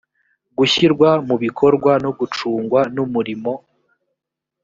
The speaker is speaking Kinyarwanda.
gushyirwa mu bikorwa no gucungwa n umurimo